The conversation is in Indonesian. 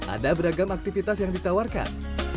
ada beragam aktivitas yang ditawarkan